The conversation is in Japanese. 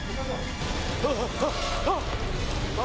あっあっあ。